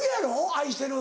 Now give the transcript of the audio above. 「愛してる」